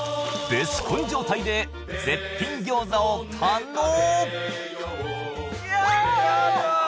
ベスコン状態で絶品餃子を堪能！